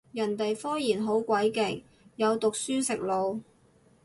人哋科研好鬼勁，有讀書食腦